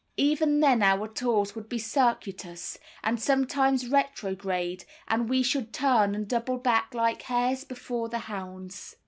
Even then our tours would be circuitous, and sometimes retrograde, and we should turn and double like hares before the hounds.